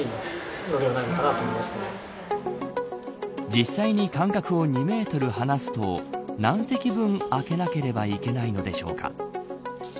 実際に観客を２メートル離すと何席分、空けなければいけないのでしょうか。